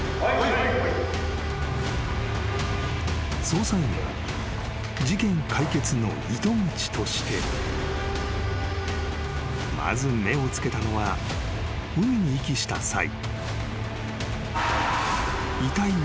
［捜査員が事件解決の糸口としてまず目を付けたのは海に遺棄した際］